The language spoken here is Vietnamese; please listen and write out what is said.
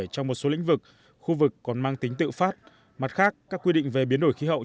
trong một số lĩnh vực khu vực còn mang tính tự phát mặt khác các quy định về biến đổi khí hậu